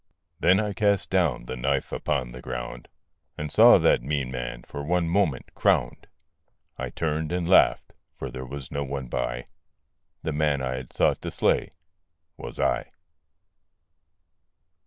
Then I cast down the knife upon the ground And saw that mean man for one moment crowned. I turned and laughed: for there was no one by The man that I had sought to slay was I.